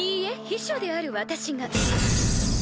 秘書である私が。